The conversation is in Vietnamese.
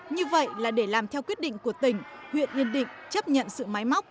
như vậy là để làm theo quyết định của tỉnh huyện yên định chấp nhận sự máy móc